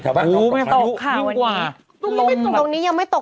ใช่ป่ะโอ้ไม่ตกค่ะวันนี้ตรงนี้ไม่ตกตรงนี้ยังไม่ตก